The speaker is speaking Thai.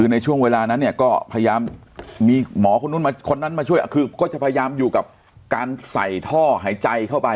ในช่วงเวลานั้นเนี่ยก็พยายามมีหมอคนนู้นมาคนนั้นมาช่วยคือก็จะพยายามอยู่กับการใส่ท่อหายใจเข้าไป